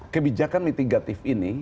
kebijakan mitigatif ini